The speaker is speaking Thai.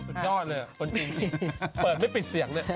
สุดยอดเลยคนจีนเปิดไม่ปิดเสียงเลย